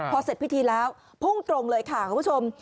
พอเสร็จพิธีแล้วพุ่งตรงเลยค่ะคุณผู้ชม